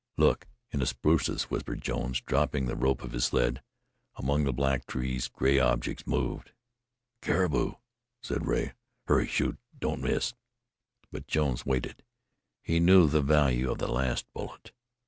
"Look in the spruces," whispered Jones, dropping the rope of his sled. Among the black trees gray objects moved. "Caribou!" said Rea. "Hurry! Shoot! Don't miss!" But Jones waited. He knew the value of the last bullet.